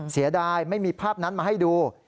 เสียดายไม่มีภาพนั้นมาให้ดู